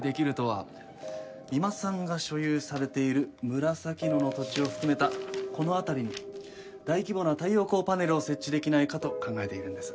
三馬さんが所有されている紫野の土地を含めたこの辺りに大規模な太陽光パネルを設置できないかと考えているんです。